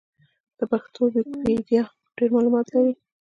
پښتو ويکيپېډيا ډېر معلومات لري.